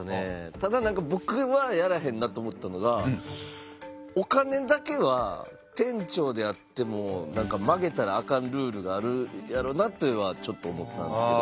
ただ僕はやらへんなと思ったのがお金だけは店長であっても曲げたらあかんルールがあるやろなというのはちょっと思ったんですけど。